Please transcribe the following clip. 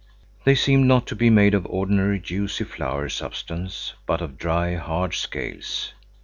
They seemed not to be made of ordinary, juicy flower substance, but of dry, hard scales.